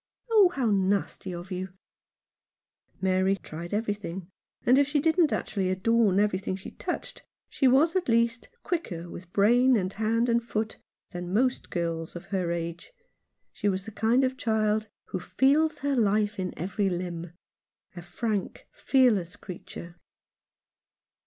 " Oh, how nasty of you !" Mary tried everything, and if she didn't actually adorn everything she touched, she was at least quicker with brain and hand and foot than most girls of her age. She was the kind of child " who feels her life in every limb" — a frank, fearless creature.